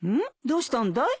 どうしたんだい？